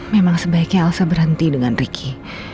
memang sebaiknya elsa berhenti dengan ricky